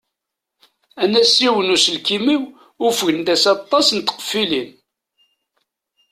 Anasiw n uselkim-iw ufgent-as aṭṭas n tqeffilin.